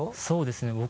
そうですね